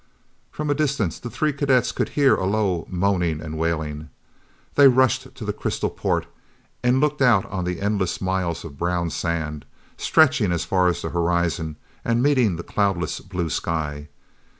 From a distance, the three cadets could hear a low moaning and wailing. They rushed to the crystal port and looked out on the endless miles of brown sand, stretching as far as the horizon and meeting the cloudless blue sky.